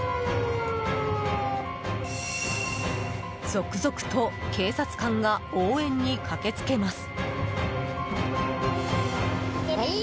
続々と警察官が応援に駆けつけます。